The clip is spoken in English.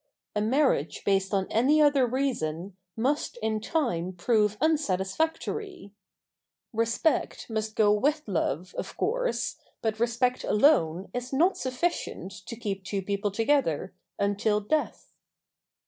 A marriage based on any other reason must in time prove unsatisfactory. Respect must go with love, of course, but respect alone is not sufficient to keep two people together "until death."